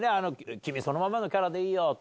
「君そのままのキャラでいい」と。